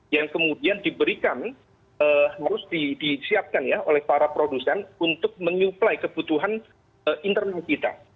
yang kemudian diberikan harus disiapkan ya oleh para produsen untuk menyuplai kebutuhan internal kita